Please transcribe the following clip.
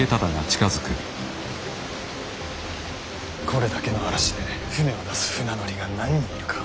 これだけの嵐で舟を出す船乗りが何人いるか。